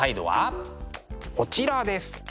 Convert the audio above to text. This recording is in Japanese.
こちらです。